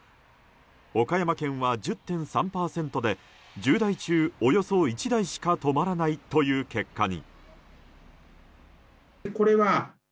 岡山県は１０．３％で１０台中およそ１台しか止まらないという結果に。